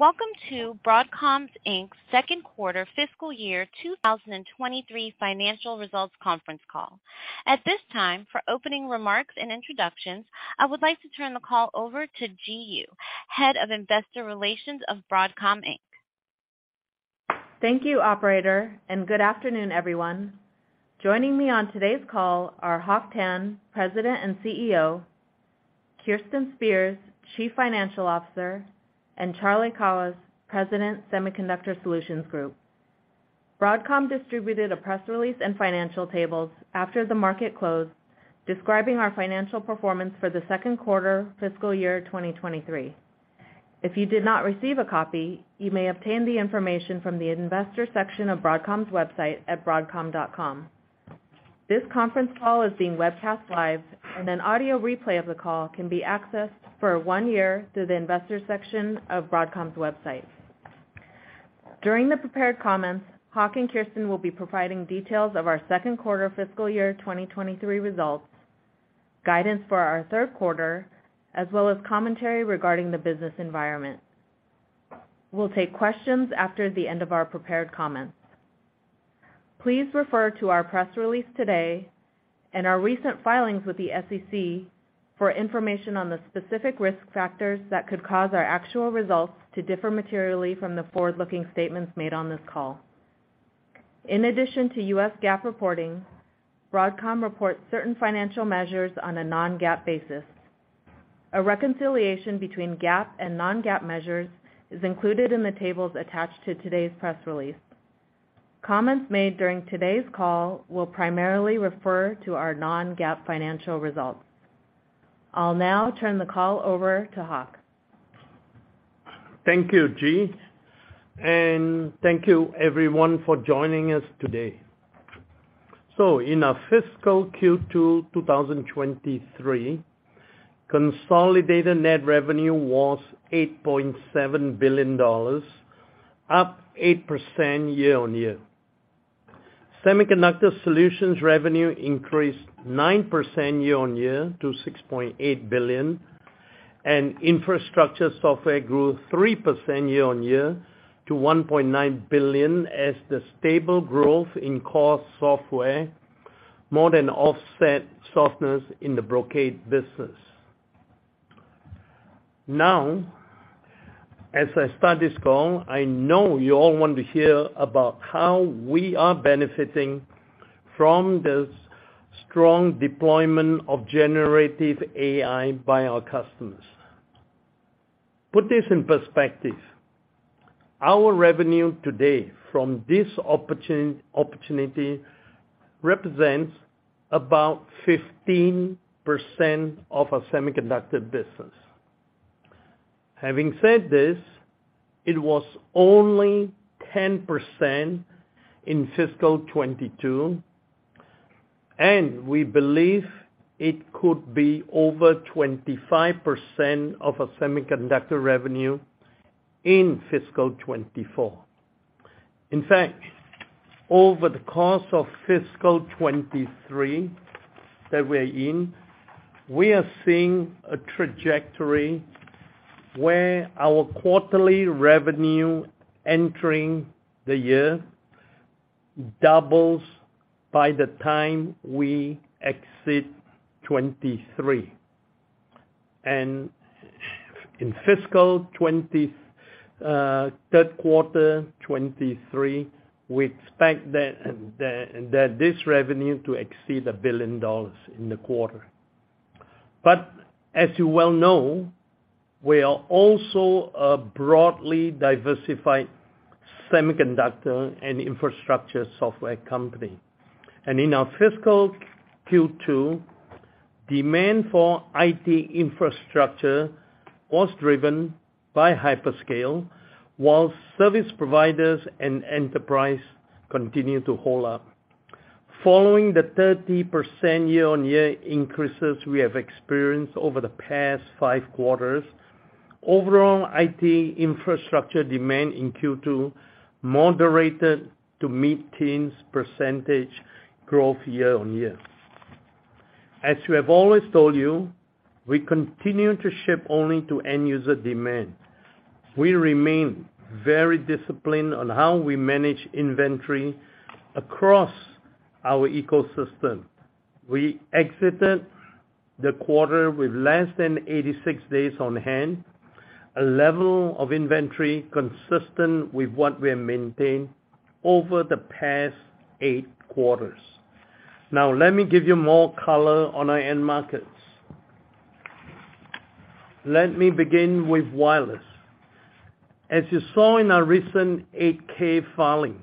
Welcome to Broadcom Inc's second quarter fiscal year, 2023 financial results conference call. At this time, for opening remarks and introductions, I would like to turn the call over to Ji Yoo, Head of Investor Relations of Broadcom Inc. Thank you, operator. Good afternoon, everyone. Joining me on today's call are Hock Tan, President and CEO; Kirsten Spears, Chief Financial Officer; and Charlie Kawwas, President, Semiconductor Solutions Group. Broadcom distributed a press release and financial tables after the market closed, describing our financial performance for the second quarter fiscal year 2023. If you did not receive a copy, you may obtain the information from the investor section of Broadcom's website at broadcom.com. This conference call is being webcast live, and an audio replay of the call can be accessed for one year through the Investors section of Broadcom's website. During the prepared comments, Hock and Kirsten will be providing details of our second quarter fiscal year 2023 results, guidance for our third quarter, as well as commentary regarding the business environment. We'll take questions after the end of our prepared comments. Please refer to our press release today and our recent filings with the SEC for information on the specific risk factors that could cause our actual results to differ materially from the forward-looking statements made on this call. In addition to U.S. GAAP reporting, Broadcom reports certain financial measures on a non-GAAP basis. A reconciliation between GAAP and non-GAAP measures is included in the tables attached to today's press release. Comments made during today's call will primarily refer to our non-GAAP financial results. I'll now turn the call over to Hock. Thank you, Ji, and thank you everyone for joining us today. In our fiscal Q2 2023, consolidated net revenue was $8.7 billion, up 8% year-on-year. Semiconductor Solutions revenue increased 9% year-on-year to $6.8 billion, and Infrastructure Software grew 3% year-on-year to $1.9 billion, as the stable growth in core software more than offset softness in the Brocade business. As I start this call, I know you all want to hear about how we are benefiting from this strong deployment of generative AI by our customers. Put this in perspective, our revenue today from this opportunity represents about 15% of our semiconductor business. Having said this, it was only 10% in fiscal 2022, and we believe it could be over 25% of our semiconductor revenue in fiscal 2024. In fact, over the course of fiscal 2023 that we're in, we are seeing a trajectory where our quarterly revenue entering the year doubles by the time we exit 2023. In fiscal Q3 2023, we expect that this revenue to exceed $1 billion in the quarter. As you well know, we are also a broadly diversified semiconductor and infrastructure software company. In our fiscal Q2, demand for IT infrastructure was driven by hyperscale, while service providers and enterprise continued to hold up. Following the 30% year-on-year increases we have experienced over the past five quarters, overall IT infrastructure demand in Q2 moderated to mid-teens % growth year-on-year. As we have always told you, we continue to ship only to end user demand. We remain very disciplined on how we manage inventory across our ecosystem. We exited the quarter with less than 86 days on hand, a level of inventory consistent with what we have maintained over the past eight quarters. Let me give you more color on our end markets. Let me begin with wireless. As you saw in our recent 8-K filing,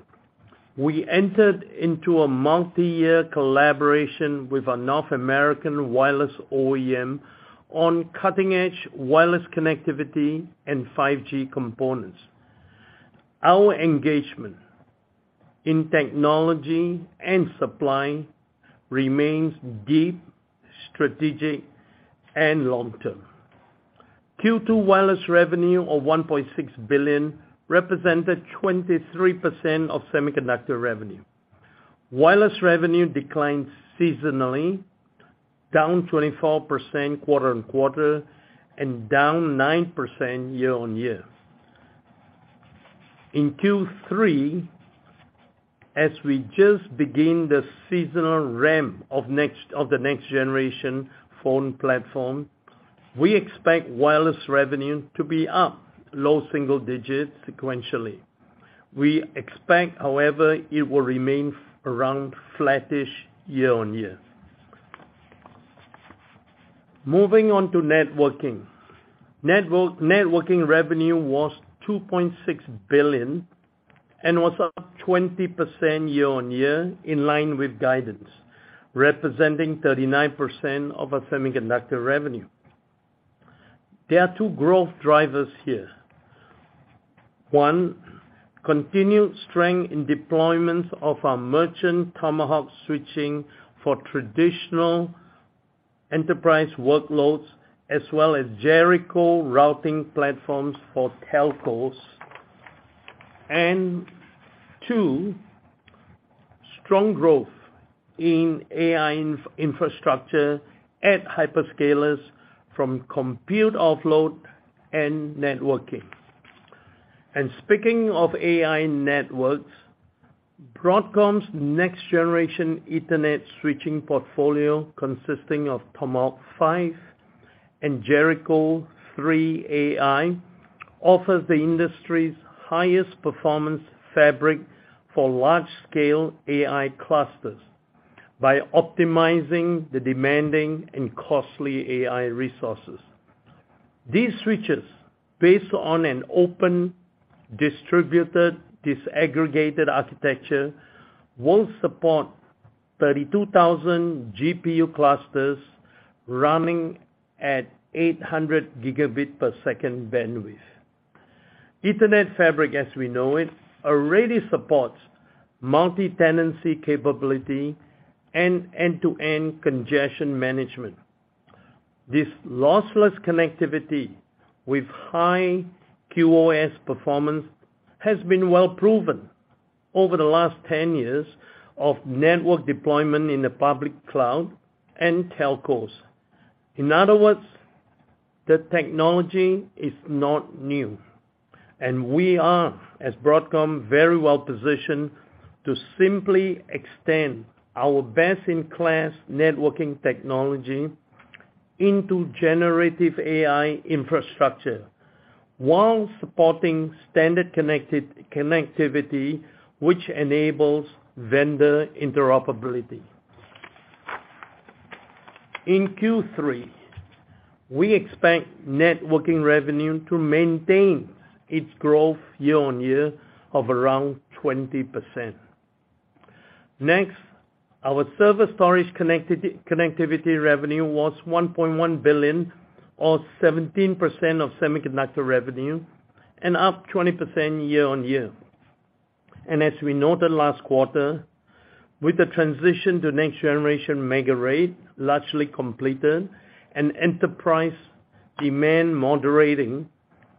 we entered into a multi-year collaboration with a North American wireless OEM on cutting-edge wireless connectivity and 5G components. Our engagement in technology and supply remains deep, strategic, and long term. Q2 wireless revenue of $1.6 billion represented 23% of semiconductor revenue. Wireless revenue declined seasonally, down 24% quarter-over-quarter, and down 9% year-over-year. In Q3, as we just begin the seasonal ramp of the next generation phone platform, we expect wireless revenue to be up low single digits sequentially. We expect, however, it will remain around flattish year-on-year. Moving on to networking. Networking revenue was $2.6 billion and was up 20% year-on-year, in line with guidance, representing 39% of our semiconductor revenue. There are two growth drivers here. One, continued strength in deployments of our merchant Tomahawk switching for traditional enterprise workloads, as well as Jericho routing platforms for telcos. Two, strong growth in AI infrastructure at hyperscalers from compute offload and networking. Speaking of AI networks, Broadcom's next generation Ethernet switching portfolio, consisting of Tomahawk 5 and Jericho3-AI, offers the industry's highest performance fabric for large-scale AI clusters by optimizing the demanding and costly AI resources. These switches, based on an open, distributed, disaggregated architecture, will support 32,000 GPU clusters running at 800 Gbps bandwidth. Ethernet fabric, as we know it, already supports multi-tenancy capability and end-to-end congestion management. This lossless connectivity with high QOS performance has been well proven over the last 10 years of network deployment in the public cloud and telcos. In other words, the technology is not new, and we are, as Broadcom, very well positioned to simply extend our best-in-class networking technology into generative AI infrastructure while supporting standard connectivity, which enables vendor interoperability. In Q3, we expect networking revenue to maintain its growth year-over-year of around 20%. Next, our server storage connectivity revenue was $1.1 billion, or 17% of semiconductor revenue, and up 20% year-over-year. As we noted last quarter, with the transition to next generation MegaRAID largely completed and enterprise demand moderating,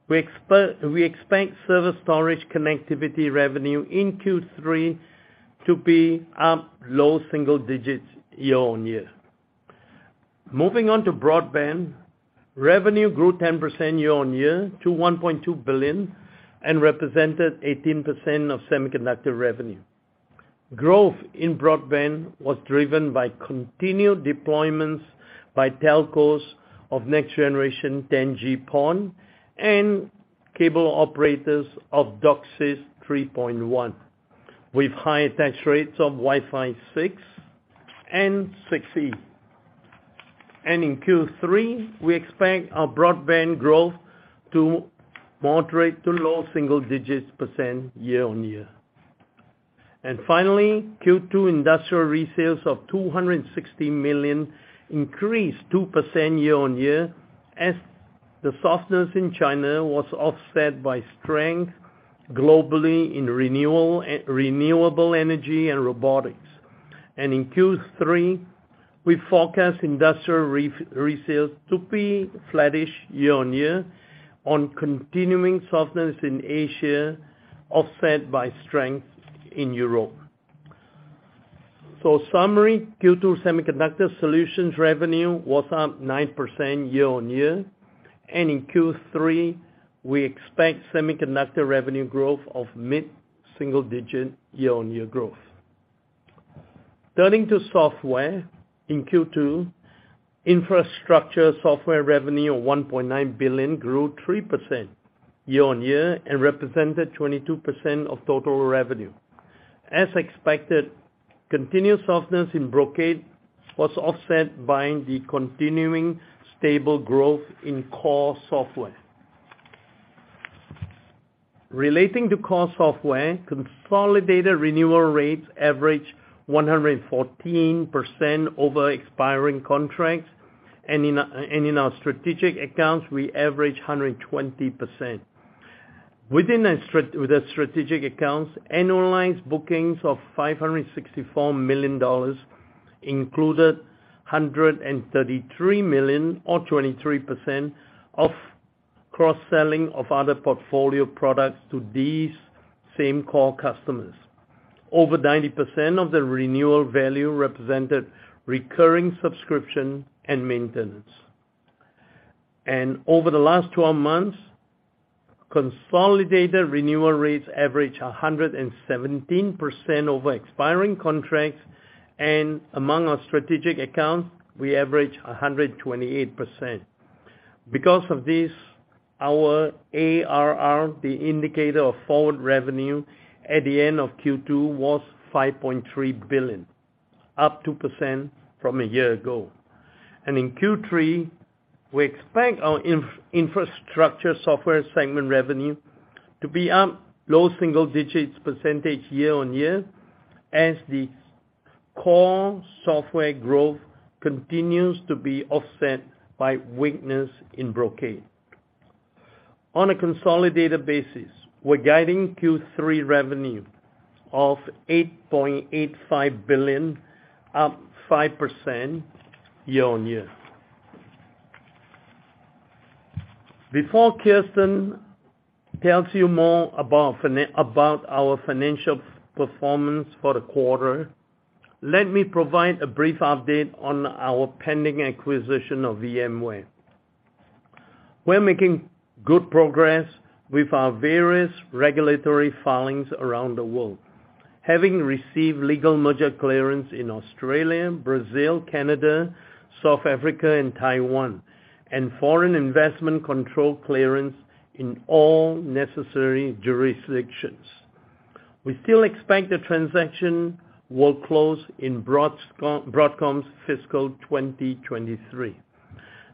we expect server storage connectivity revenue in Q3 to be up low single digits year-on-year. Moving on to broadband. Revenue grew 10% year-on-year to $1.2 billion and represented 18% of semiconductor revenue. Growth in broadband was driven by continued deployments by telcos of next generation 10G PON and cable operators of DOCSIS 3.1, with high attach rates of Wi-Fi 6 and 6E. In Q3, we expect our broadband growth to moderate to low single digits percent year-on-year. Finally, Q2 industrial resales of $260 million increased 2% year-on-year as the softness in China was offset by strength globally in renewal, and renewable energy and robotics. In Q3, we forecast industrial resales to be flattish year-on-year on continuing softness in Asia, offset by strength in Europe. Summary, Q2 Semiconductor Solutions revenue was up 9% year-on-year, and in Q3, we expect semiconductor revenue growth of mid-single digit year-on-year growth. Turning to software. In Q2, infrastructure software revenue of $1.9 billion grew 3% year-on-year and represented 22% of total revenue. As expected, continued softness in Brocade was offset by the continuing stable growth in core software. Relating to core software, consolidated renewal rates averaged 114% over expiring contracts, and in our strategic accounts, we averaged 120%. within the strategic accounts, annualized bookings of $564 million included $133 million, or 23%, of cross-selling of other portfolio products to these same core customers. Over 90% of the renewal value represented recurring subscription and maintenance. Over the last 12 months, consolidated renewal rates average 117% over expiring contracts, and among our strategic accounts, we average 128%. Because of this, our ARR, the indicator of forward revenue at the end of Q2, was $5.3 billion, up 2% from a year ago. In Q3, we expect our infrastructure software segment revenue to be up low single-digits percentage year-on-year, as the core software growth continues to be offset by weakness in Brocade. On a consolidated basis, we're guiding Q3 revenue of $8.85 billion, up 5% year-on-year. Before Kirsten tells you more about our financial performance for the quarter, let me provide a brief update on our pending acquisition of VMware. We're making good progress with our various regulatory filings around the world, having received legal merger clearance in Australia, Brazil, Canada, South Africa, and Taiwan, and foreign investment control clearance in all necessary jurisdictions. We still expect the transaction will close in Broadcom's fiscal 2023.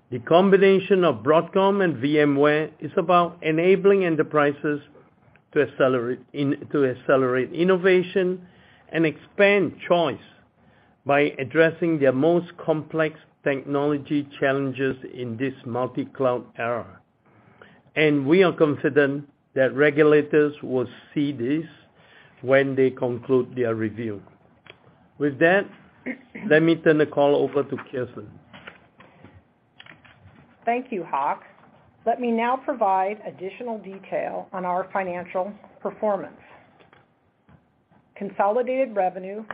The combination of Broadcom and VMware is about enabling enterprises to accelerate innovation and expand choice by addressing their most complex technology challenges in this multi-cloud era. We are confident that regulators will see this when they conclude their review. With that, let me turn the call over to Kirsten. Thank you, Hock. Let me now provide additional detail on our financial performance. Consolidated revenue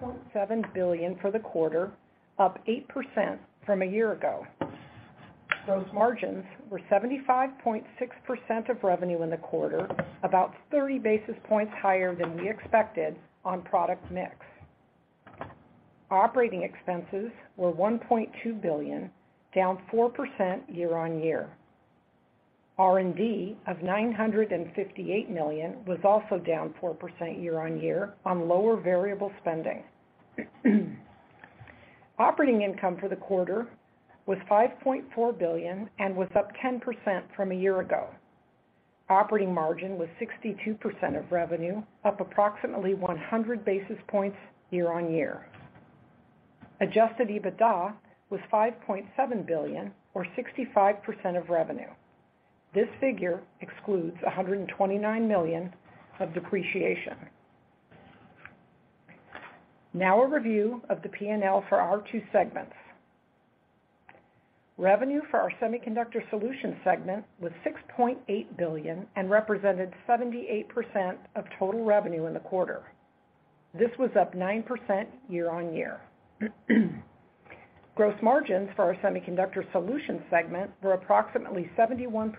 was $8.7 billion for the quarter, up 8% from a year ago. Gross margins were 75.6% of revenue in the quarter, about 30 basis points higher than we expected on product mix. Operating expenses were $1.2 billion, down 4% year-on-year. R&D of $958 million was also down 4% year-on-year on lower variable spending. Operating income for the quarter was $5.4 billion and was up 10% from a year ago. Operating margin was 62% of revenue, up approximately 100 basis points year-on-year. Adjusted EBITDA was $5.7 billion or 65% of revenue. This figure excludes $129 million of depreciation. A review of the P&L for our two segments. Revenue for our Semiconductor Solutions segment was $6.8 billion and represented 78% of total revenue in the quarter. This was up 9% year-on-year. Gross margins for our Semiconductor Solutions segment were approximately 71%,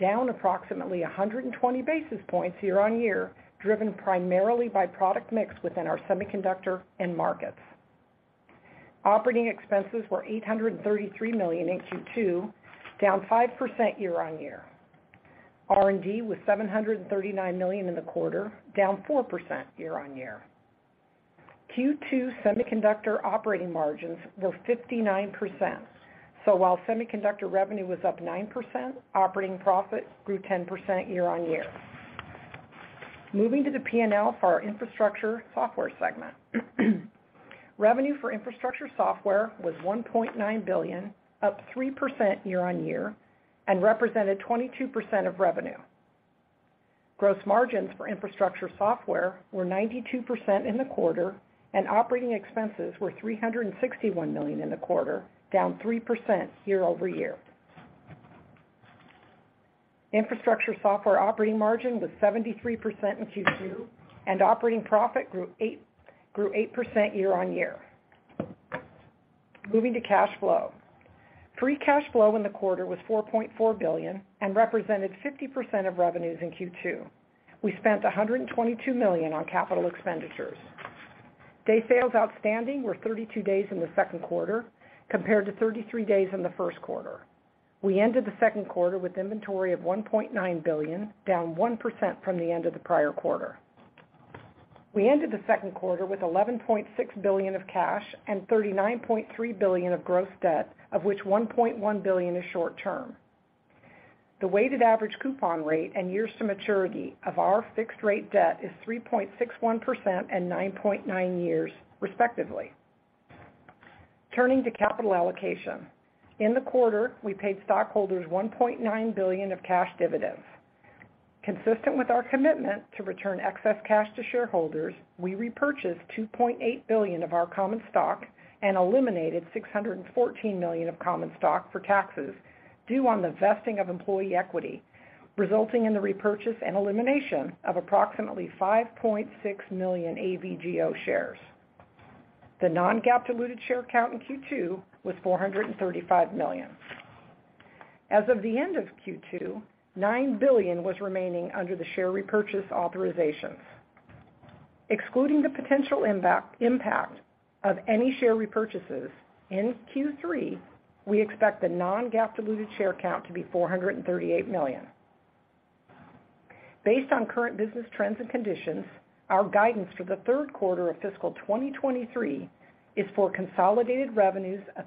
down approximately 120 basis points year-on-year, driven primarily by product mix within our semiconductor end markets. Operating expenses were $833 million in Q2, down 5% year-on-year. R&D was $739 million in the quarter, down 4% year-on-year. Q2 semiconductor operating margins were 59%. While semiconductor revenue was up 9%, operating profit grew 10% year-on-year. Moving to the P&L for our Infrastructure Software segment. Revenue for infrastructure software was $1.9 billion, up 3% year-on-year, and represented 22% of revenue. Gross margins for infrastructure software were 92% in the quarter. Operating expenses were $361 million in the quarter, down 3% year-over-year. Infrastructure software operating margin was 73% in Q2. Operating profit grew 8% year-on-year. Moving to cash flow. Free cash flow in the quarter was $4.4 billion and represented 50% of revenues in Q2. We spent $122 million on capital expenditures. Day sales outstanding were 32 days in the second quarter, compared to 33 days in the first quarter. We ended the second quarter with inventory of $1.9 billion, down 1% from the end of the prior quarter. We ended the second quarter with $11.6 billion of cash and $39.3 billion of gross debt, of which $1.1 billion is short term. The weighted average coupon rate and years to maturity of our fixed rate debt is 3.61% and 9.9 years, respectively. Turning to capital allocation. In the quarter, we paid stockholders $1.9 billion of cash dividends. Consistent with our commitment to return excess cash to shareholders, we repurchased $2.8 billion of our common stock and eliminated $614 million of common stock for taxes due on the vesting of employee equity, resulting in the repurchase and elimination of approximately 5.6 million AVGO shares. The non-GAAP diluted share count in Q2 was 435 million. As of the end of Q2, $9 billion was remaining under the share repurchase authorizations. Excluding the potential impact of any share repurchases in Q3, we expect the non-GAAP diluted share count to be $438 million. Based on current business trends and conditions, our guidance for the third quarter of fiscal 2023 is for consolidated revenues of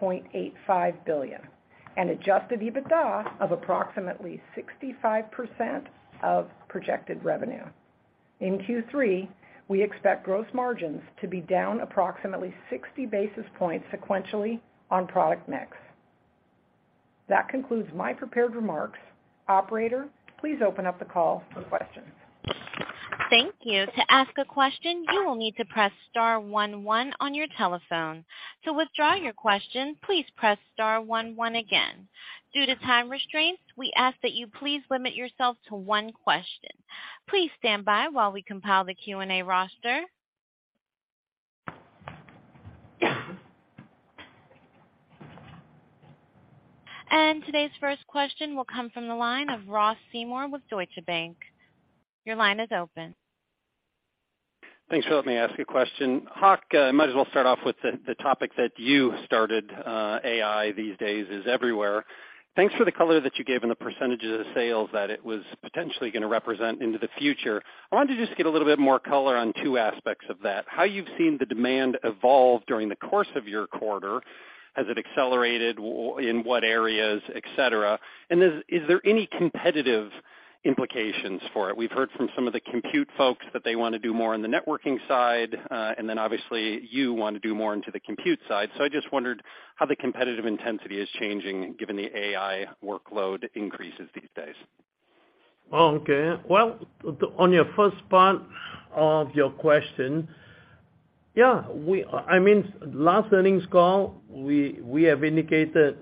$8.85 billion and adjusted EBITDA of approximately 65% of projected revenue. In Q3, we expect gross margins to be down approximately 60 basis points sequentially on product mix. That concludes my prepared remarks. Operator, please open up the call for questions. Thank you. To ask a question, you will need to press star one one on your telephone. To withdraw your question, please press star one one again. Due to time restraints, we ask that you please limit yourself to one question. Please stand by while we compile the Q&A roster. Today's first question will come from the line of Ross Seymore with Deutsche Bank. Your line is open. Thanks for letting me ask a question. Hock, I might as well start off with the topic that you started, AI these days is everywhere. Thanks for the color that you gave in the percentages of sales, that it was potentially going to represent into the future. I wanted to just get a little bit more color on two aspects of that. How you've seen the demand evolve during the course of your quarter. Has it accelerated, in what areas, et cetera? And is there any competitive implications for it? We've heard from some of the compute folks that they want to do more on the networking side, and then obviously, you want to do more into the compute side. I just wondered how the competitive intensity is changing given the AI workload increases these days. Okay. Well, on your first part of your question, yeah, I mean, last earnings call, we have indicated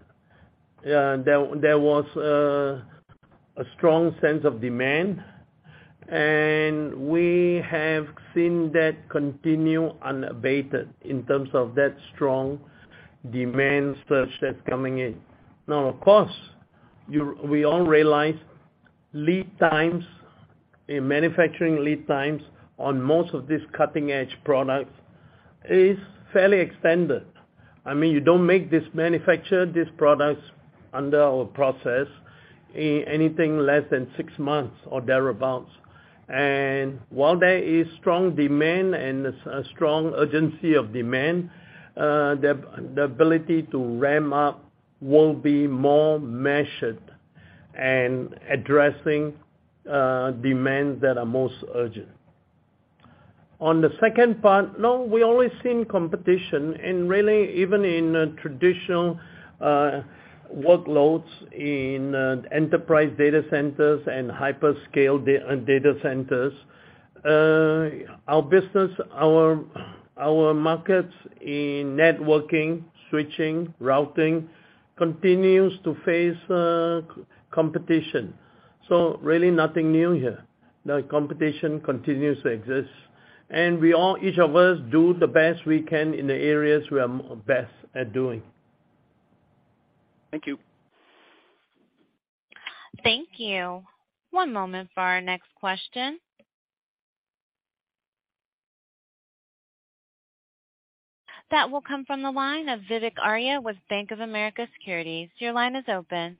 there was a strong sense of demand, and we have seen that continue unabated in terms of that strong demand surge that's coming in. Of course, we all realize lead times, in manufacturing lead times on most of these cutting-edge products is fairly extended. I mean, you don't manufacture these products under our process in anything less than six months or thereabouts. While there is strong demand and a strong urgency of demand, the ability to ramp up will be more measured and addressing demands that are most urgent. On the second part, no, we always seen competition, and really even in traditional workloads, in enterprise data centers and hyperscale data centers. Our business, our markets in networking, switching, routing, continues to face, competition. Really nothing new here. The competition continues to exist, and we all, each of us, do the best we can in the areas we are best at doing. Thank you. Thank you. One moment for our next question. That will come from the line of Vivek Arya with Bank of America Securities. Your line is open.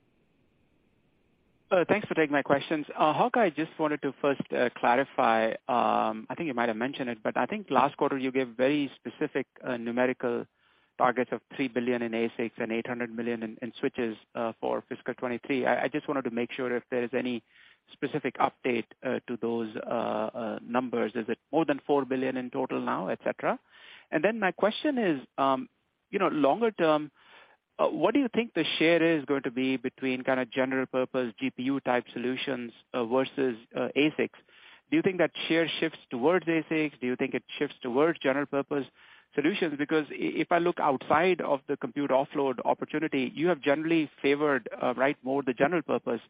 Thanks for taking my questions. Hock, I just wanted to first clarify, I think you might have mentioned it, but I think last quarter you gave very specific numerical targets of $3 billion in ASICs and $800 million in switches, for fiscal 2023. I just wanted to make sure if there is any specific update to those numbers. Is it more than $4 billion in total now, et cetera? My question is, you know, longer term, what do you think the share is going to be between kind of general purpose GPU-type solutions, versus ASICs? Do you think that share shifts towards ASICs? Do you think it shifts towards general purpose solutions? If I look outside of the compute offload opportunity, you have generally favored, right more the general purpose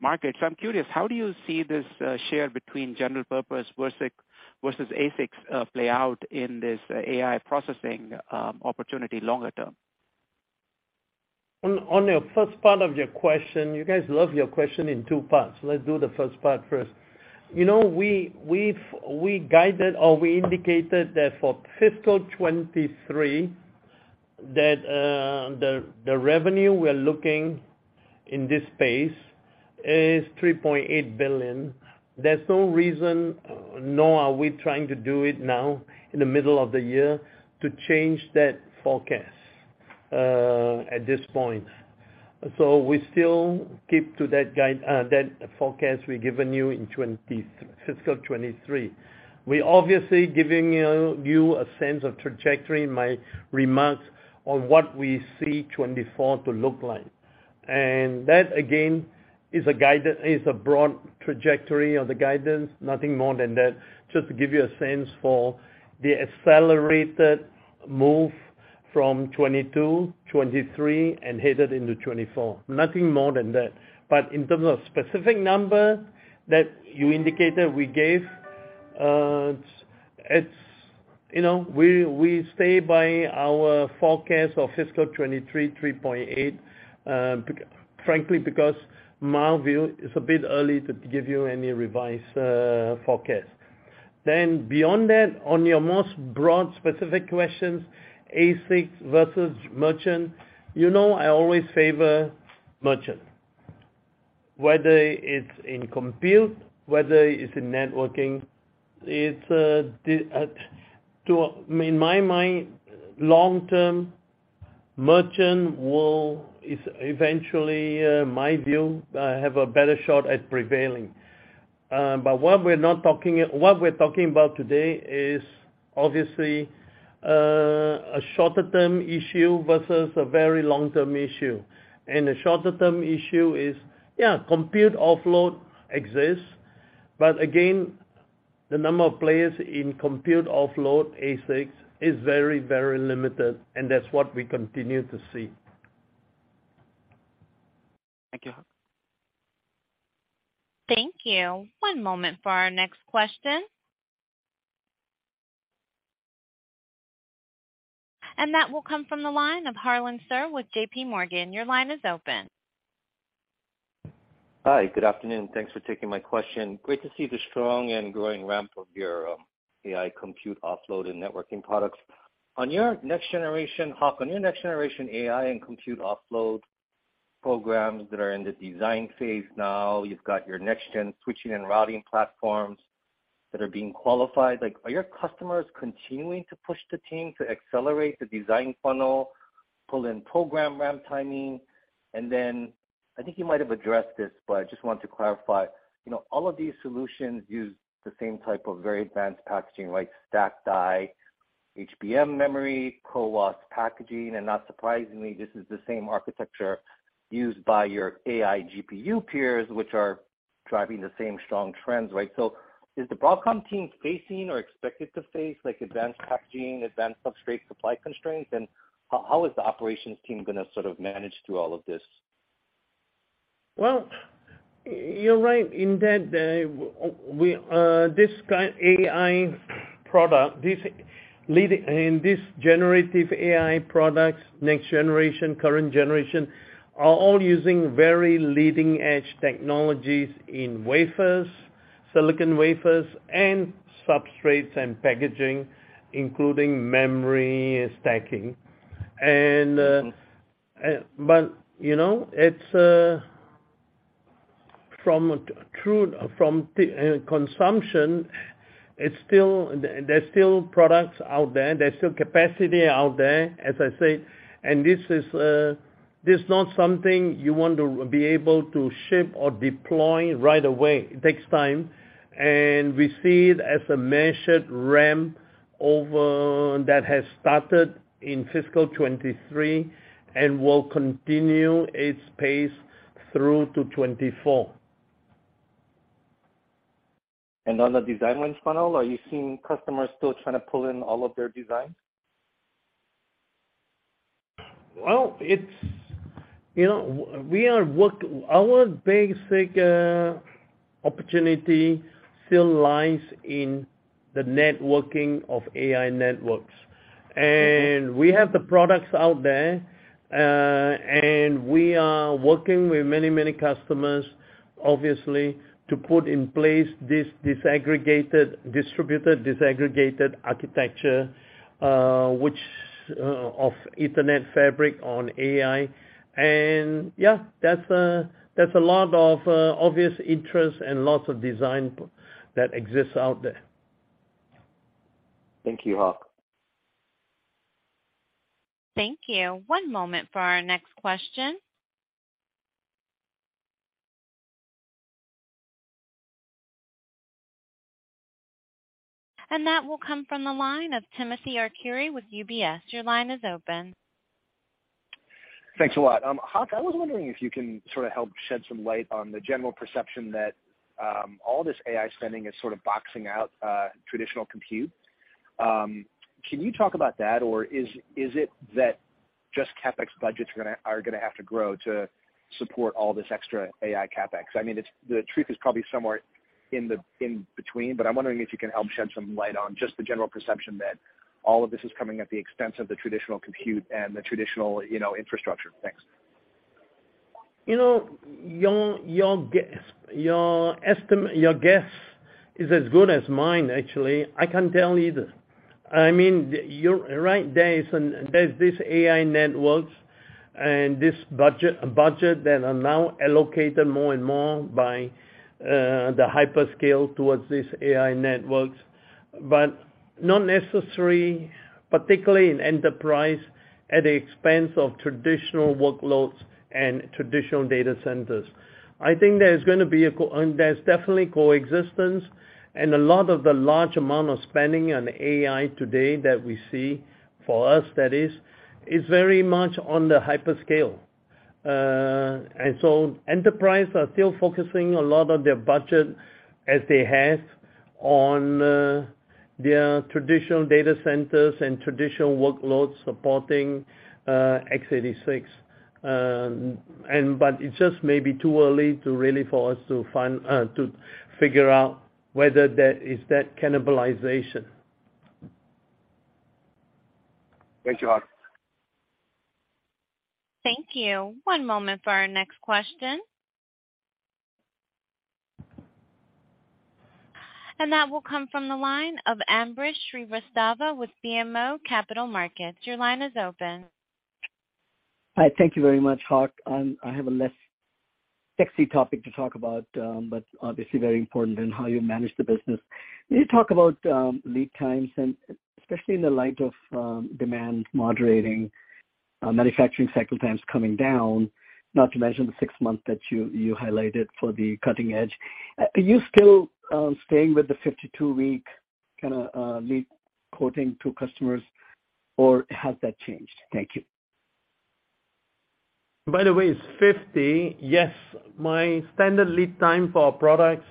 market. I'm curious, how do you see this share between general purpose versus ASICs, play out in this AI processing opportunity longer term? On your first part of your question, you guys love your question in two parts. Let's do the first part first. You know, we guided or we indicated that for fiscal 2023, that the revenue we're looking in this space is $3.8 billion. There's no reason, nor are we trying to do it now in the middle of the year, to change that forecast at this point. We still keep to that guide, that forecast we've given you in fiscal 2023. We obviously giving you a sense of trajectory in my remarks on what we see 2024 to look like. That, again, is a broad trajectory of the guidance, nothing more than that. Just to give you a sense for the accelerated move from 2022, 2023, and headed into 2024. Nothing more than that. In terms of specific number that you indicated we gave, it's, you know, we stay by our forecast of fiscal 2023, $3.8 billion, frankly, because my view, it's a bit early to give you any revised forecast. Beyond that, on your most broad, specific questions, ASICs versus merchant, you know I always favor merchant. Whether it's in compute, whether it's in networking, it's, in my mind, long term, merchant will, is eventually, my view, have a better shot at prevailing. But what we're talking about today is obviously, a shorter term issue versus a very long-term issue. The shorter term issue is, yeah, compute offload exists, but again, the number of players in compute offload ASICs is very, very limited, and that's what we continue to see. Thank you. Thank you. One moment for our next question. That will come from the line of Harlan Sur with JPMorgan. Your line is open. Hi, good afternoon. Thanks for taking my question. Great to see the strong and growing ramp of your AI compute offload and networking products. Hock, on your next generation AI and compute offload programs that are in the design phase now, you've got your next gen switching and routing platforms that are being qualified. Like, are your customers continuing to push the team to accelerate the design funnel, pull in program ramp timing? Then I think you might have addressed this, but I just want to clarify, you know, all of these solutions use the same type of very advanced packaging, like stacked die, HBM memory, CoWoS packaging, and not surprisingly, this is the same architecture used by your AI GPU peers, which are driving the same strong trends, right? Is the Broadcom team facing or expected to face, like, advanced packaging, advanced substrate supply constraints? How is the operations team gonna sort of manage through all of this? Well, you're right in that, we, this kind AI product, and this generative AI products, next generation, current generation, are all using very leading-edge technologies in wafers, silicon wafers, and substrates and packaging, including memory stacking. But, you know, from the consumption, there's still products out there. There's still capacity out there, as I said, and this is not something you want to be able to ship or deploy right away. It takes time, and we see it as a measured ramp over, that has started in fiscal 2023 and will continue its pace through to 2024. On the design wins funnel, are you seeing customers still trying to pull in all of their designs? Well, it's, you know, our basic opportunity still lies in the networking of AI networks. We have the products out there, and we are working with many, many customers, obviously, to put in place this disaggregated, distributed, disaggregated architecture, which of Ethernet fabric on AI. Yeah, that's a, that's a lot of obvious interest and lots of design that exists out there. Thank you, Hock. Thank you. One moment for our next question. That will come from the line of Timothy Arcuri with UBS. Your line is open. Thanks a lot. Hock, I was wondering if you can sort of help shed some light on the general perception that all this AI spending is sort of boxing out traditional compute. Can you talk about that, or is it that just CapEx budgets are gonna have to grow to support all this extra AI CapEx? I mean, the truth is probably somewhere in the, in between, but I'm wondering if you can help shed some light on just the general perception that all of this is coming at the expense of the traditional compute and the traditional, you know, infrastructure. Thanks. You know, your guess, your guess is as good as mine, actually. I can't tell you either. I mean, you're right, there is an, there's this AI networks and this budget that are now allocated more and more by the hyperscale towards these AI networks, but not necessary, particularly in enterprise, at the expense of traditional workloads and traditional data centers. I think there's gonna be a and there's definitely coexistence and a lot of the large amount of spending on AI today that we see, for us that is very much on the hyperscale. Enterprise are still focusing a lot of their budget, as they have, on their traditional data centers and traditional workloads supporting x86. It's just maybe too early to really for us to find, to figure out whether that is that cannibalization. Thank you, Hock. Thank you. One moment for our next question. That will come from the line of Ambrish Srivastava with BMO Capital Markets. Your line is open. Hi, thank you very much, Hock. I have a less sexy topic to talk about, but obviously very important in how you manage the business. Can you talk about lead times, and especially in the light of demand moderating, manufacturing cycle times coming down, not to mention the six months that you highlighted for the cutting edge? Are you still staying with the 52-week kind of lead quoting to customers, or has that changed? Thank you. It's 50. Yes, my standard lead time for our products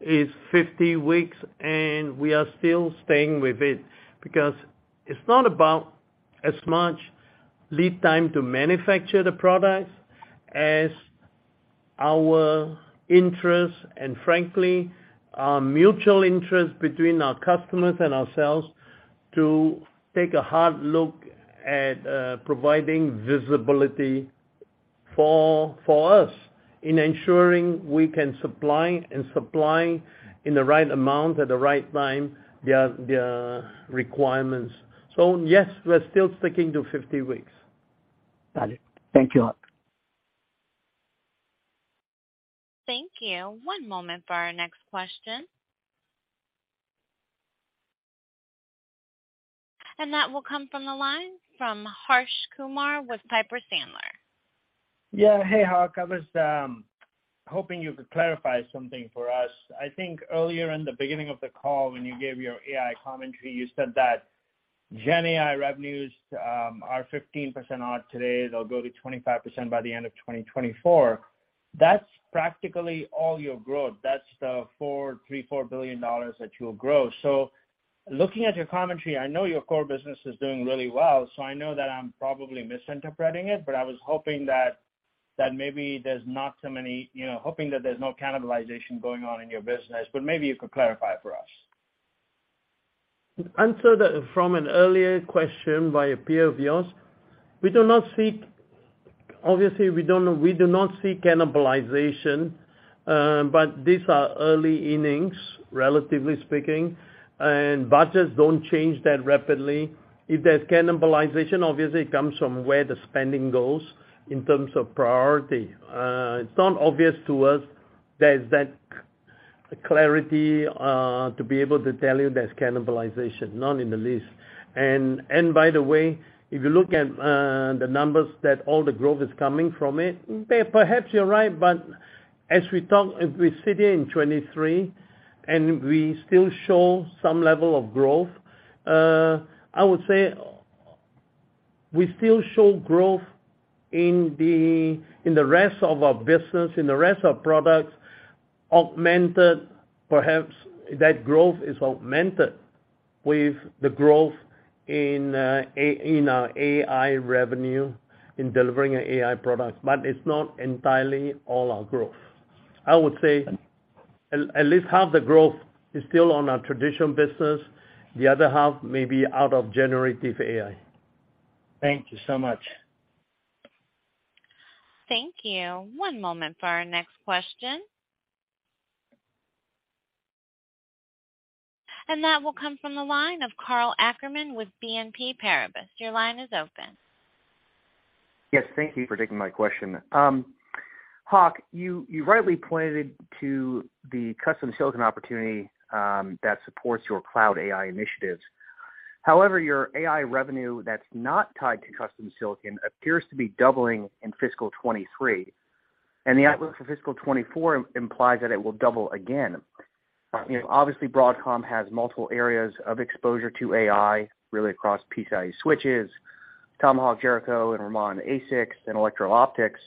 is 50 weeks, and we are still staying with it because it's not about as much lead time to manufacture the products, as our interest, and frankly, our mutual interest between our customers and ourselves, to take a hard look at providing visibility for us in ensuring we can supply and supply in the right amount, at the right time, their requirements. Yes, we're still sticking to 50 weeks. Got it. Thank you, Hock. Thank you. One moment for our next question. That will come from the line from Harsh Kumar with Piper Sandler. Yeah. Hey, Hock. I was hoping you could clarify something for us. I think earlier in the beginning of the call, when you gave your AI commentary, you said that GenAI revenues are 15% odd today. They'll go to 25% by the end of 2024. That's practically all your growth. That's the $4 billion, $3 billion, $4 billion that you'll grow. Looking at your commentary, I know your core business is doing really well, so I know that I'm probably misinterpreting it, but I was hoping that maybe there's not so many, you know, hoping that there's no cannibalization going on in your business, but maybe you could clarify it for us. Answer that from an earlier question by a peer of yours, we do not see, obviously, we don't know. We do not see cannibalization, but these are early innings, relatively speaking, and budgets don't change that rapidly. If there's cannibalization, obviously it comes from where the spending goes in terms of priority. It's not obvious to us there's that clarity, to be able to tell you there's cannibalization, none in the least. By the way, if you look at the numbers that all the growth is coming from it, perhaps you're right. As we talk, as we sit here in 2023, and we still show some level of growth, I would say we still show growth in the, in the rest of our business, in the rest of products, perhaps that growth is augmented with the growth in our AI revenue, in delivering our AI products, but it's not entirely all our growth. I would say at least half the growth is still on our traditional business. The other half may be out of generative AI. Thank you so much. Thank you. One moment for our next question. That will come from the line of Karl Ackerman with BNP Paribas. Your line is open. Thank you for taking my question. Hock, you rightly pointed to the custom silicon opportunity that supports your cloud AI initiatives. However, your AI revenue that's not tied to custom silicon appears to be doubling in fiscal 2023, and the outlook for fiscal 2024 implies that it will double again. You know, obviously, Broadcom has multiple areas of exposure to AI, really across PCIe switches, Tomahawk, Jericho and Ramon ASICs and electro-optics.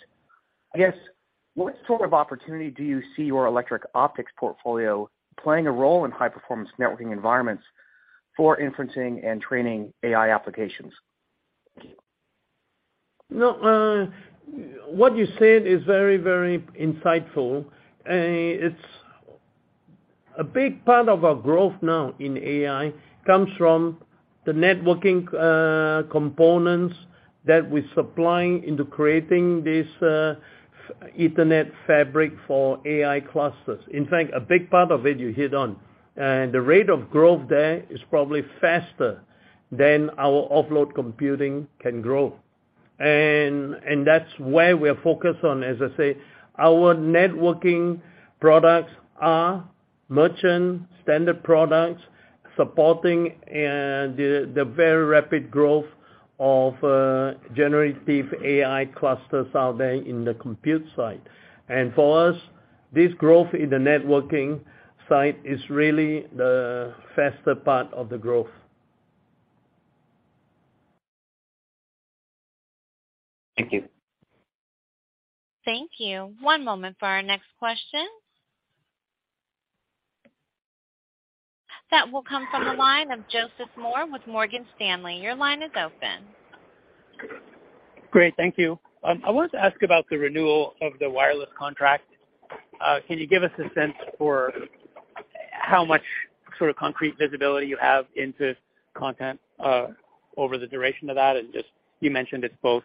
I guess, what sort of opportunity do you see your electro-optics portfolio playing a role in high-performance networking environments for inferencing and training AI applications? No, what you said is very, very insightful, and it's a big part of our growth now in AI, comes from the networking components that we're supplying into creating this Ethernet fabric for AI clusters. In fact, a big part of it, you hit on, the rate of growth there is probably faster than our offload computing can grow. That's where we are focused on. As I say, our networking products are merchant standard products, supporting the very rapid growth of generative AI clusters out there in the compute side. For us, this growth in the networking side is really the faster part of the growth. Thank you. Thank you. One moment for our next question. That will come from the line of Joseph Moore with Morgan Stanley. Your line is open. Great, thank you. I wanted to ask about the renewal of the wireless contract. Can you give us a sense for how much sort of concrete visibility you have into content over the duration of that? Just you mentioned it's both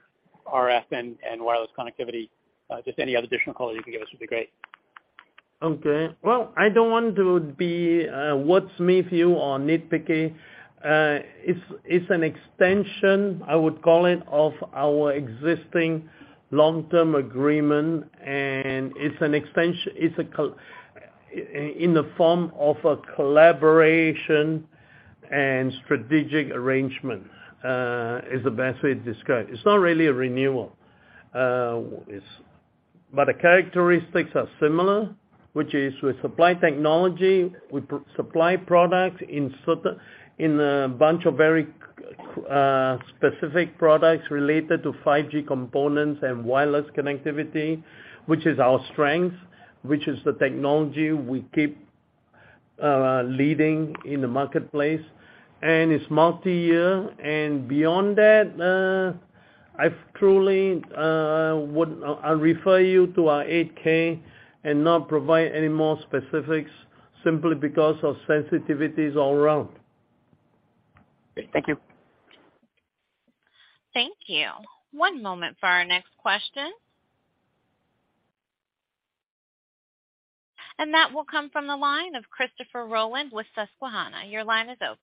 RF and wireless connectivity. Just any other additional color you can give us would be great. Okay. Well, I don't want to be, what's me view or nitpicky. it's an extension, I would call it, of our existing long-term agreement, and it's a collaboration and strategic arrangement, is the best way to describe it. It's not really a renewal. It's -- but the characteristics are similar, which is we supply technology, we supply products in sort of, in a bunch of very specific products related to 5G components and wireless connectivity, which is our strength, which is the technology we keep leading in the marketplace, and it's multi-year. Beyond that, I truly would refer you to our 8-K and not provide any more specifics, simply because of sensitivities all around. Thank you. Thank you. One moment for our next question. That will come from the line of Christopher Rolland with Susquehanna. Your line is open.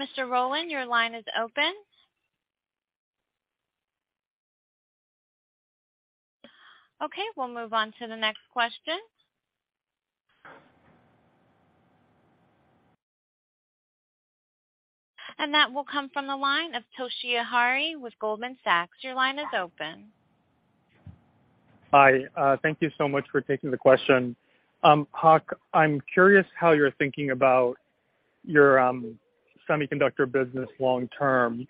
Mr. Rolland, your line is open. Okay, we'll move on to the next question. That will come from the line of Toshiya Hari with Goldman Sachs. Your line is open. Hi, thank you so much for taking the question. Hock, I'm curious how you're thinking about your semiconductor business long term.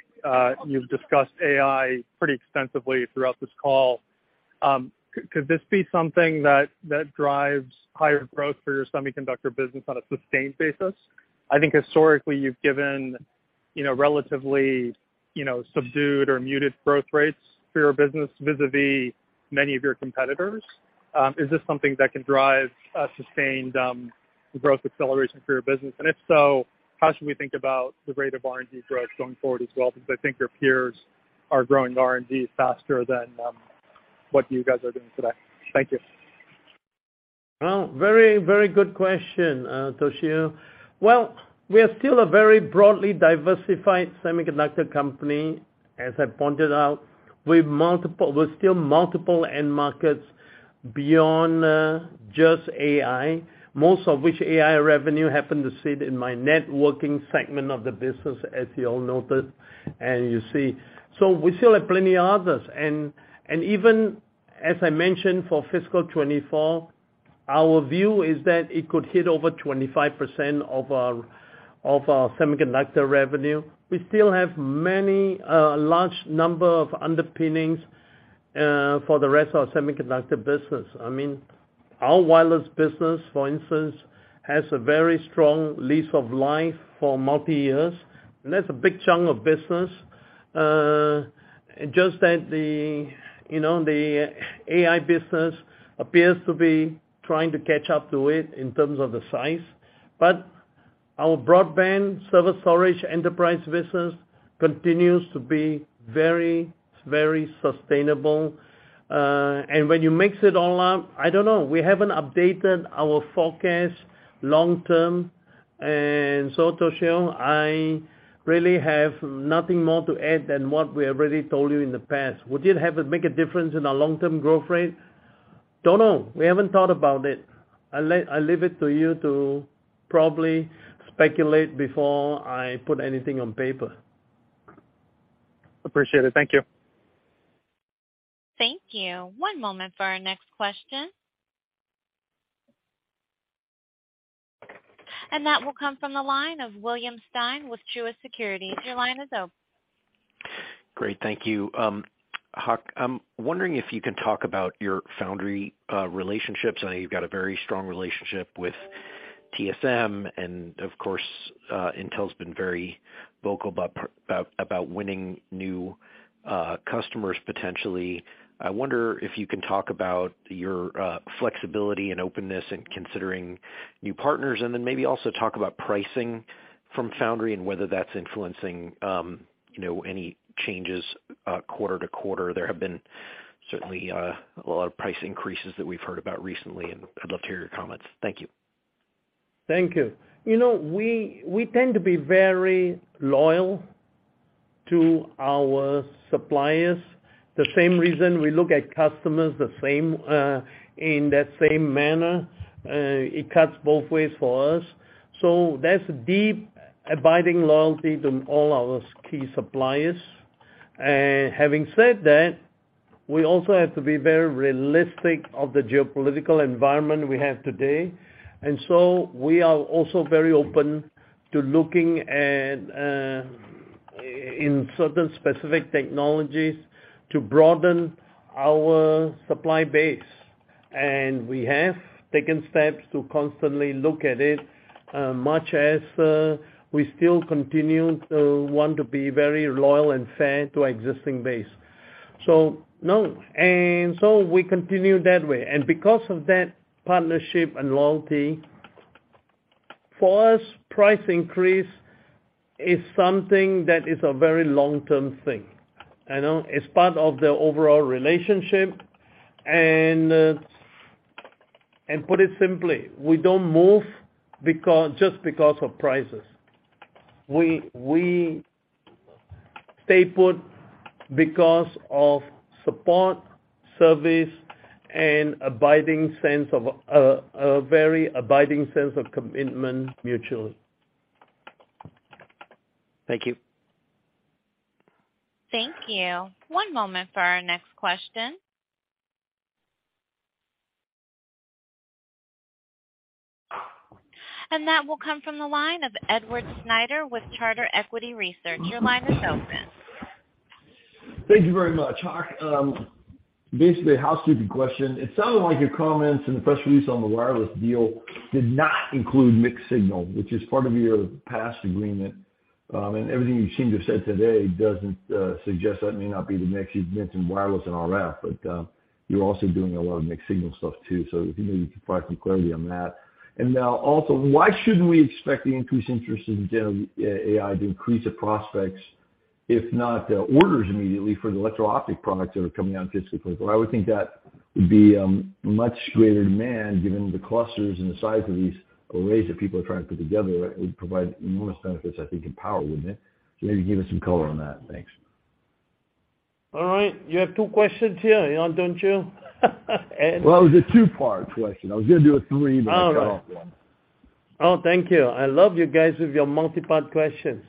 You've discussed AI pretty extensively throughout this call. Could this be something that drives higher growth for your semiconductor business on a sustained basis? I think historically, you've given, you know, relatively, you know, subdued or muted growth rates for your business, vis-a-vis many of your competitors. Is this something that can drive a sustained growth acceleration for your business? If so, how should we think about the rate of R&D growth going forward as well? I think your peers are growing R&D faster than what you guys are doing today. Thank you. Well, very, very good question, Toshiya. Well, we are still a very broadly diversified semiconductor company. As I pointed out, with we're still multiple end markets beyond just AI, most of which AI revenue happen to sit in my networking segment of the business, as you all noted, and you see. We still have plenty others. Even as I mentioned, for fiscal 2024, our view is that it could hit over 25% of our, of our semiconductor revenue. We still have many, large number of underpinnings for the rest of our semiconductor business. I mean, our wireless business, for instance, has a very strong lease of life for multi-years, and that's a big chunk of business. You know, the AI business appears to be trying to catch up to it in terms of the size. Our broadband server storage enterprise business continues to be very, very sustainable. When you mix it all up, I don't know. We haven't updated our forecast long term. Toshiya, I really have nothing more to add than what we already told you in the past. Would it have make a difference in our long-term growth rate? Don't know. We haven't thought about it. I leave it to you to probably speculate before I put anything on paper. Appreciate it. Thank you. Thank you. One moment for our next question. That will come from the line of William Stein with Truist Securities. Your line is open. Great, thank you. Hock, I'm wondering if you can talk about your foundry relationships. I know you've got a very strong relationship with TSMC, and of course, Intel's been very vocal about winning new customers potentially. I wonder if you can talk about your flexibility and openness in considering new partners, and then maybe also talk about pricing from foundry and whether that's influencing, you know, any changes quarter to quarter. There have been certainly a lot of price increases that we've heard about recently, and I'd love to hear your comments. Thank you. Thank you. You know, we tend to be very loyal to our suppliers, the same reason we look at customers the same in that same manner. It cuts both ways for us. That's deep, abiding loyalty to all our key suppliers. Having said that, we also have to be very realistic of the geopolitical environment we have today. We are also very open to looking at in certain specific technologies to broaden our supply base. We have taken steps to constantly look at it much as we still continue to want to be very loyal and fair to our existing base. We continue that way. Because of that partnership and loyalty, for us, price increase is something that is a very long-term thing. I know it's part of the overall relationship, and put it simply: we don't move because, just because of prices. We stay put because of support, service, and abiding sense of a very abiding sense of commitment, mutually. Thank you. Thank you. One moment for our next question. That will come from the line of Edward Snyder with Charter Equity Research. Your line is open. Thank you very much. Hi, basically, a how-stupid question. It sounded like your comments in the press release on the wireless deal did not include mixed signal, which is part of your past agreement. Everything you seem to have said today doesn't suggest that may not be the next invention in wireless and RF, but you're also doing a lot of mixed signal stuff, too, so if you maybe you can provide some clarity on that. Now also, why shouldn't we expect the increased interest in general AI to increase the prospects, if not the orders immediately, for the electro-optic products that are coming out physically? I would think that would be much greater demand, given the clusters and the size of these arrays that people are trying to put together. It would provide enormous benefits, I think, in power, wouldn't it? Maybe give us some color on that. Thanks. All right, you have two questions here, you know, don't you? Well, it was a two-part question. I was gonna do a three, but I cut off one. Thank you. I love you guys with your multi-part questions.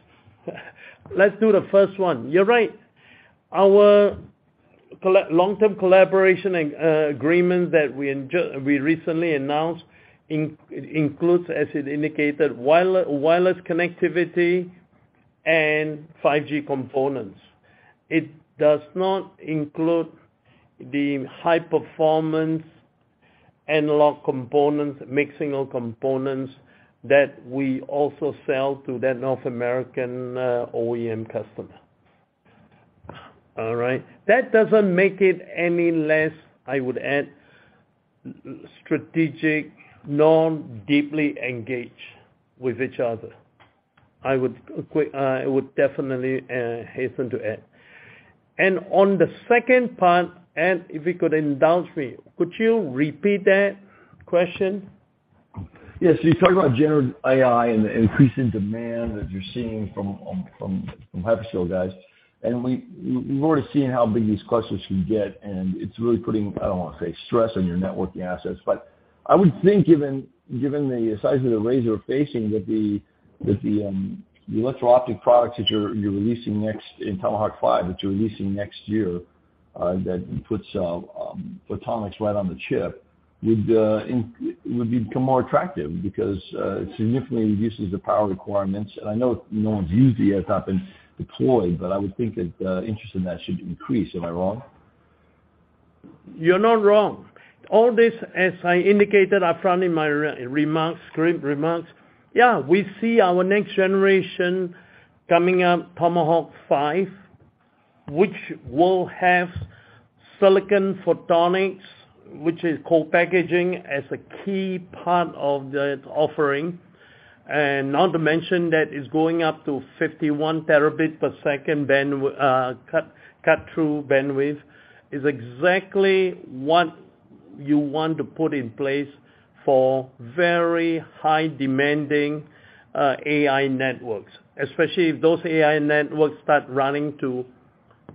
Let's do the first one. You're right. Our long-term collaboration and agreement that we recently announced, includes, as it indicated, wireless connectivity and 5G components. It does not include the high-performance analog components, mixing of components, that we also sell to that North American OEM customer. All right? That doesn't make it any less, I would add, strategic, deeply engaged with each other. I would definitely hasten to add. On the second part, and if you could indulge me, could you repeat that question? Yes. You talked about generative AI and the increase in demand that you're seeing from hyperscale guys. We, we've already seen how big these clusters can get, and it's really putting, I don't want to say, stress on your networking assets. I would think, given the size of the arrays you're facing, that the electro-optic products that you're releasing next, in Tomahawk 5, that you're releasing next year, that puts photonics right on the chip, would become more attractive because it significantly reduces the power requirements. I know no one's used the ASIC and deployed, but I would think that interest in that should increase. Am I wrong? You're not wrong. All this, as I indicated up front in my remarks, script remarks, we see our next generation coming up, Tomahawk 5, which will have silicon photonics, which is co-packaging, as a key part of the offering. Not to mention, that is going up to 51 Tbps bandwidth, cut-through bandwidth, is exactly what you want to put in place for very high-demanding AI networks. Especially if those AI networks start running to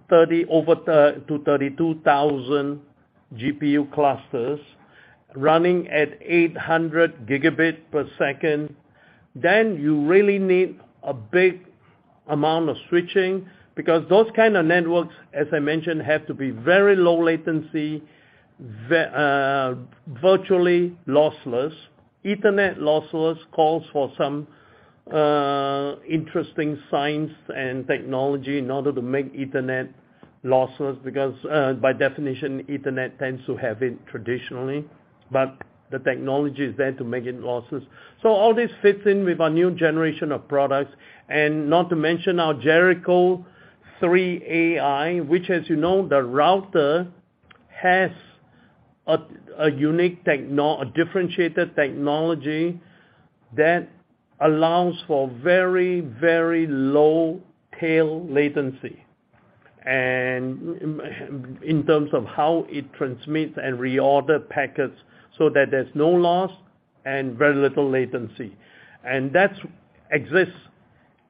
32,000 GPU clusters, running at 800 Gbps. You really need a big amount of switching, because those kind of networks, as I mentioned, have to be very low latency, virtually lossless. Ethernet lossless calls for some interesting science and technology in order to make Ethernet lossless, because by definition, Ethernet tends to have it traditionally, but the technology is there to make it lossless. All this fits in with our new generation of products, and not to mention our Jericho3-AI, which, as you know, the router has a unique differentiated technology that allows for very, very low tail latency, and in terms of how it transmits and reorder packets so that there's no loss and very little latency. That exists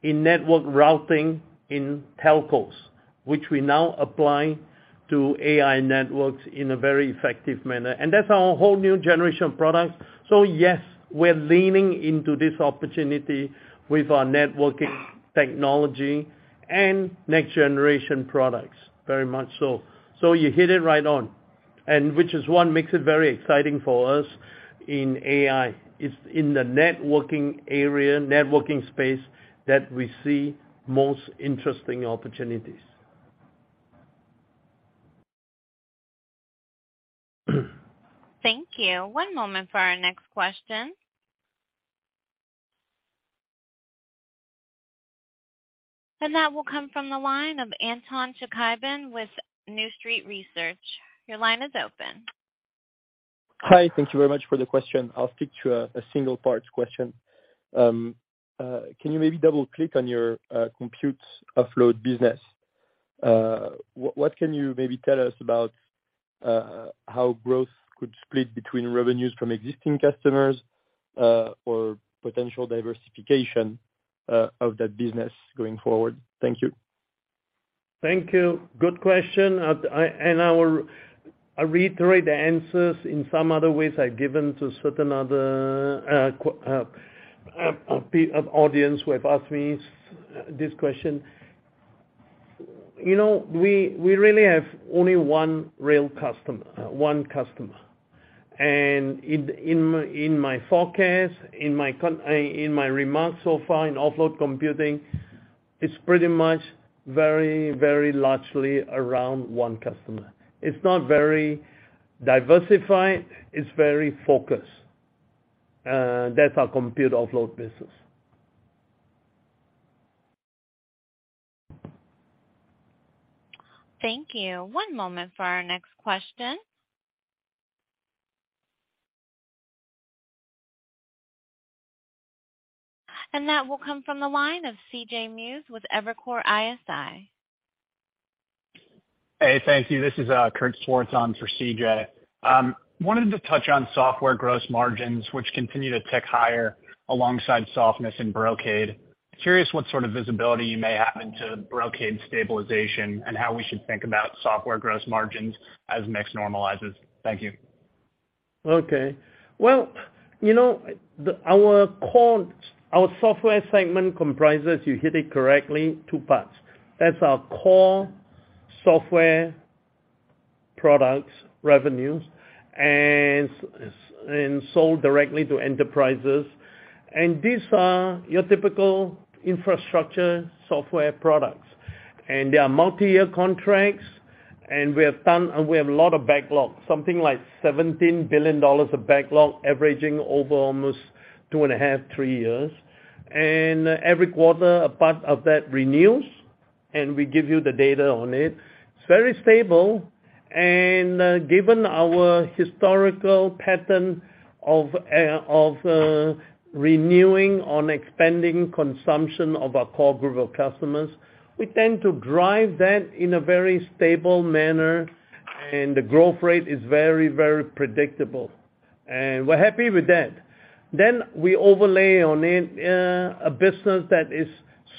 in network routing in telcos, which we now apply to AI networks in a very effective manner. That's our whole new generation of products. Yes, we're leaning into this opportunity with our networking technology and next generation products, very much so. You hit it right on, and which is what makes it very exciting for us in AI. It's in the networking area, networking space, that we see most interesting opportunities. Thank you. One moment for our next question. That will come from the line of Antoine Chkaiban, with New Street Research. Your line is open. Hi, thank you very much for the question. I'll stick to a single part question. Can you maybe double click on your compute offload business? What can you maybe tell us about how growth could split between revenues from existing customers or potential diversification of that business going forward? Thank you. Thank you. Good question. I, and I will reiterate the answers in some other ways I've given to certain other audience who have asked me this question. You know, we really have only one real customer, one customer. In, in my, in my forecast, in my remarks so far in offload computing, it's pretty much very largely around one customer. It's not very diversified. It's very focused, that's our compute offload business. Thank you. One moment for our next question. That will come from the line of CJ Muse with Evercore ISI. Hey, thank you. This is Kurt Schwartz on for CJ. Wanted to touch on software gross margins, which continue to tick higher alongside softness in Brocade. Curious what sort of visibility you may have into Brocade stabilization, and how we should think about software gross margins as mix normalizes? Thank you. Okay. Well, you know, our core software segment comprises, you hit it correctly, two parts. That's our core software products, revenues, and sold directly to enterprises. These are your typical infrastructure software products, and they are multi-year contracts, and we have a lot of backlog, something like $17 billion of backlog, averaging over almost 2.5, three years. Every quarter, a part of that renews, and we give you the data on it. It's very stable, and given our historical pattern of renewing on expanding consumption of our core group of customers, we tend to drive that in a very stable manner, and the growth rate is very, very predictable. We're happy with that. We overlay on it, a business that is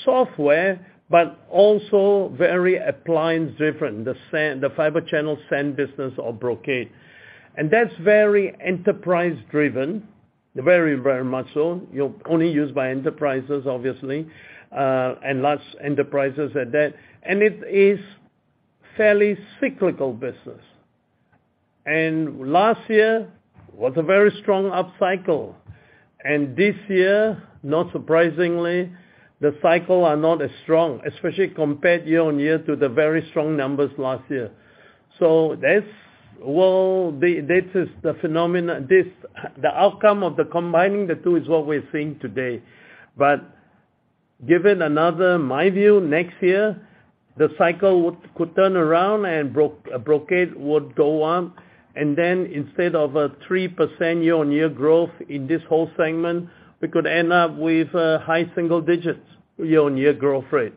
software, but also very appliance different, the SAN, the fiber channel SAN business of Brocade. That's very enterprise driven, very much so. You're only used by enterprises, obviously, and large enterprises at that. It is fairly cyclical business. Last year was a very strong upcycle, and this year, not surprisingly, the cycle are not as strong, especially compared year-on-year to the very strong numbers last year. That's, well, the, this is the outcome of the combining the two is what we're seeing today. Given another, my view, next year, the cycle would, could turn around and Brocade would go up, and then instead of a 3% year-on-year growth in this whole segment, we could end up with high single digits year-on-year growth rate.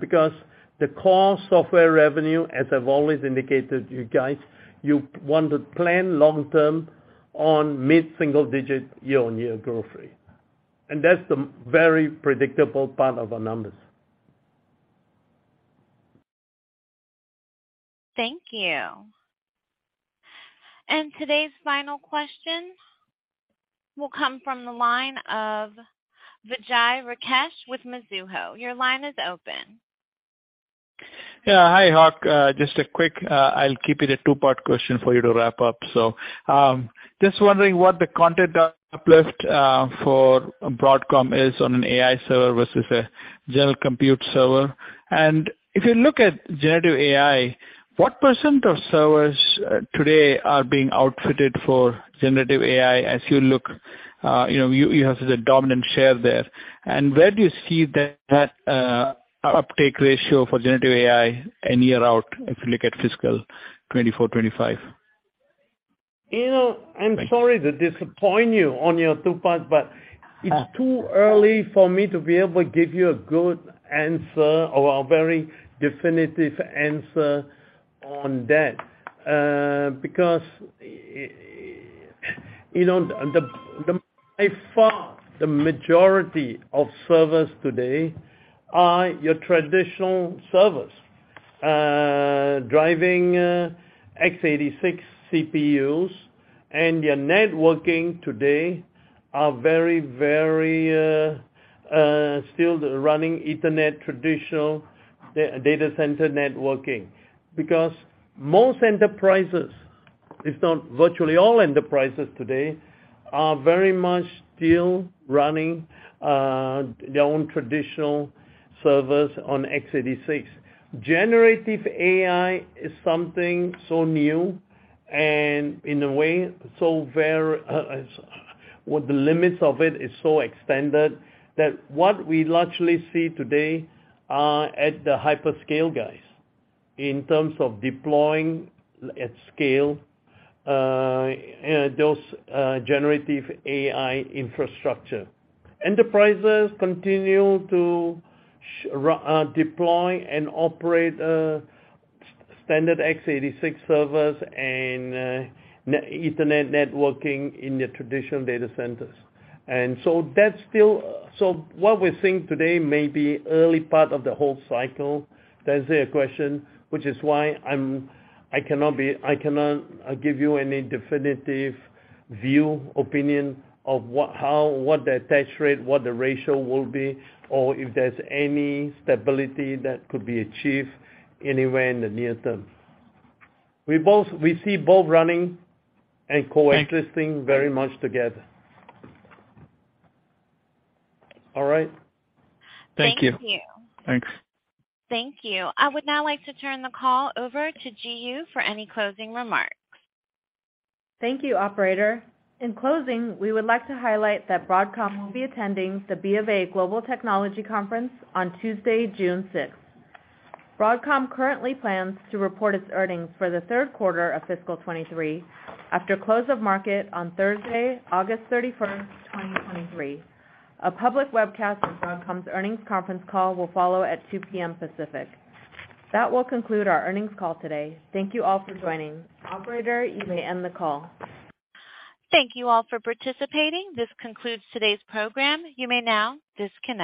Because the core software revenue, as I've always indicated to you guys, you want to plan long term on mid single-digit year-over-year growth rate. That's the very predictable part of our numbers. Thank you. Today's final question will come from the line of Vijay Rakesh with Mizuho. Your line is open. Hi, Hock. Just a quick, I'll keep it a two-part question for you to wrap up. Just wondering what the content uplift for Broadcom is on an AI server versus a general compute server. If you look at generative AI, what % of servers today are being outfitted for generative AI as you look, you know, you have the dominant share there. Where do you see that uptake ratio for generative AI any year out, if you look at fiscal 2024, 2025? You know, I'm sorry to disappoint you on your two parts, but it's too early for me to be able to give you a good answer or a very definitive answer on that. Because, you know, the, by far, the majority of servers today are your traditional servers, driving, x86 CPUs, and your networking today are very, very, still running Ethernet traditional data center networking. Because most enterprises, if not virtually all enterprises today, are very much still running, their own traditional servers on x86. Generative AI is something so new and in a way, so very, well, the limits of it is so extended, that what we largely see today are at the hyperscale guys, in terms of deploying at scale, those, generative AI infrastructure. Enterprises continue to deploy and operate, standard x86 servers and Ethernet networking in their traditional data centers. So what we think today may be early part of the whole cycle, does a question, which is why I cannot give you any definitive view, opinion of what, how, what the attach rate, what the ratio will be, or if there's any stability that could be achieved anywhere in the near term. We both, we see both running and coexisting very much together. All right? Thank you. Thank you. Thanks. Thank you. I would now like to turn the call over to Ji Yoo for any closing remarks. Thank you, operator. In closing, we would like to highlight that Broadcom will be attending the BofA Securities Global Technology Conference on Tuesday, June 6th. Broadcom currently plans to report its earnings for the third quarter of fiscal 2023, after close of market on Thursday, August 31st, 2023. A public webcast of Broadcom's earnings conference call will follow at 2:00 P.M. Pacific. That will conclude our earnings call today. Thank you all for joining. Operator, you may end the call. Thank you all for participating. This concludes today's program. You may now disconnect.